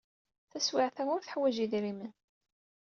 Taswiɛt-a, ur teḥwaj idrimen.